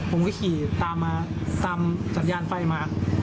ผมก็ขี่ตามจัดยานไฟมา